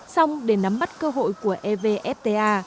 song để nắm bắt cơ hội của evfta